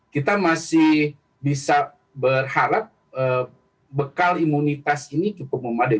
kita masih bisa berharap bekal imunitas ini cukup memadai